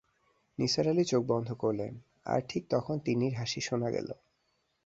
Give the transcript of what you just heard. নিসার আলি চোখ বন্ধ করলেন, আর ঠিক তখন তিন্নির হাসি শোনা গেল।